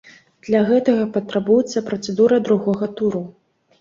Для гэта патрабуецца працэдура другога туру.